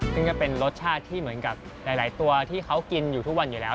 ซึ่งก็เป็นรสชาติที่เหมือนกับหลายตัวที่เขากินอยู่ทุกวันอยู่แล้ว